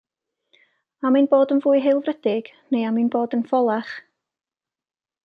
Am ein bod yn fwy haelfrydig, neu am ein bod yn ffolach?